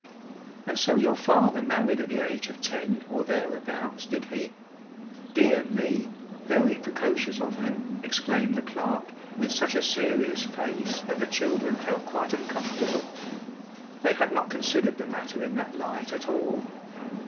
"And so your father married at the age of ten or thereabouts, did he? Dear me; very precocious of him!" exclaimed the clerk, with such a serious face that the children felt quite uncomfortable. They had not considered the matter in that light at all.